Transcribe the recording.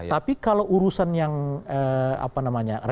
tapi kalau urusan yang apa namanya